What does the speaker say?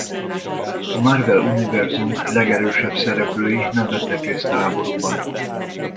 A Marvel Univerzum legerősebb szereplői nem vettek részt a háborúban.